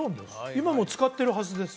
今も使ってるはずです